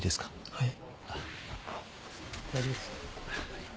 はい。